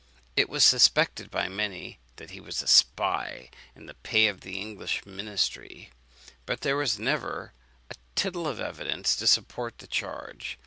It was suspected by many that he was a spy, in the pay of the English ministry; but there never was a tittle of evidence to support the charge.